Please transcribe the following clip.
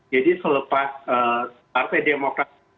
jadi selepas partai demokrat